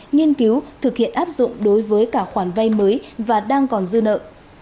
nghiên cứu thực hiện áp dụng đối với cả khoản vay mới và đang còn dư nợ